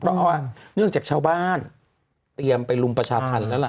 เพราะว่าเนื่องจากชาวบ้านเตรียมไปรุมประชาธรรมแล้วล่ะ